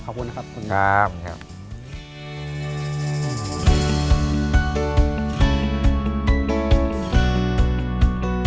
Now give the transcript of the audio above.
ขอบคุณนะครับคุณ